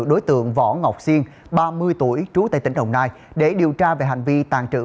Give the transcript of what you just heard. đối tượng võ ngọc siên ba mươi tuổi trú tại tỉnh đồng nai để điều tra về hành vi tàn trữ